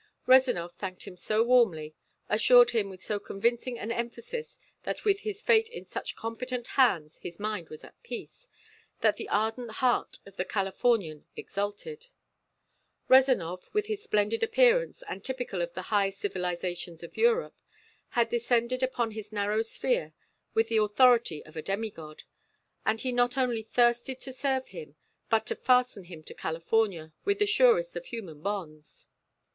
Rezanov thanked him so warmly, assured him with so convincing an emphasis that with his fate in such competent hands his mind was at peace, that the ardent heart of the Californian exulted; Rezanov, with his splendid appearance, and typical of the highest civilizations of Europe, had descended upon his narrow sphere with the authority of a demigod, and he not only thirsted to serve him, but to fasten him to California with the surest of human bonds.